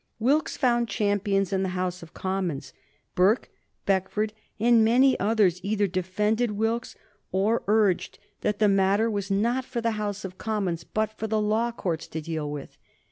Wilkes found champions in the House of Commons. Burke, Beckford, and many others either defended Wilkes or urged that the matter was not for the House of Commons, but for the law courts to deal with.